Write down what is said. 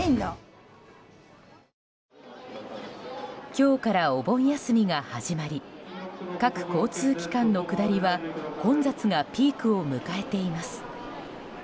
今日からお盆休みが始まり各交通機関の下りは混雑がピークを迎えています。